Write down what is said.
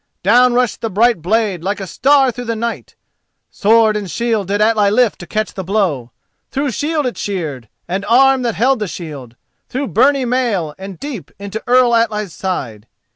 Down rushed the bright blade like a star through the night. Sword and shield did Atli lift to catch the blow. Through shield it sheared, and arm that held the shield, through byrnie mail and deep into Earl Atli's side.